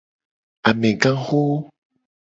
Amegaxo.